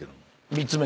３つ目。